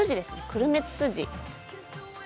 クルメツツジです。